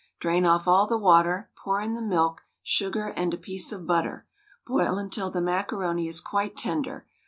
Drain off all the water, pour in the milk, sugar, and a piece of butter. Boil until the macaroni is quite tender.